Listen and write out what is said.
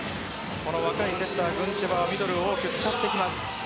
若いセッター・グンチェバはミドルを多く使ってきます。